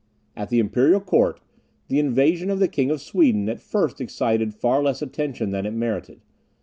At the Imperial court, the invasion of the king of Sweden at first excited far less attention than it merited.